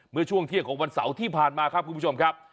เมื่อช่วงเที่ยงของวันเสาร์ที่ผ่านมาครับคุณผู้ชมครับ